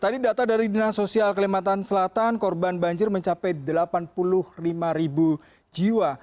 tadi data dari dinas sosial kalimantan selatan korban banjir mencapai delapan puluh lima ribu jiwa